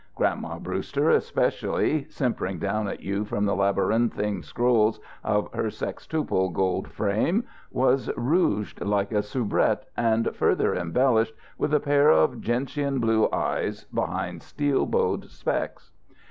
Gran'ma Brewster especially, simpering down at you from the labyrinthian scrolls of her sextuple gold frame, was rouged like a soubrette and further embellished with a pair of gentian blue eyes behind steel bowed specs.